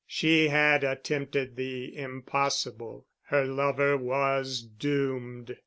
She had attempted the impossible. Her lover was doomed.